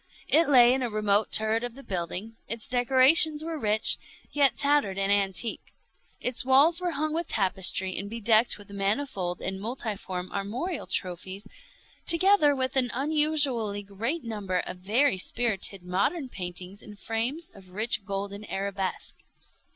It lay in a remote turret of the building. Its decorations were rich, yet tattered and antique. Its walls were hung with tapestry and bedecked with manifold and multiform armorial trophies, together with an unusually great number of very spirited modern paintings in frames of rich golden arabesque.